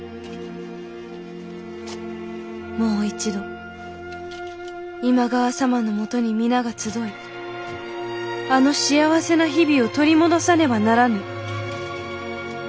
「もう一度今川様のもとに皆が集いあの幸せな日々を取り戻さねばならぬ」。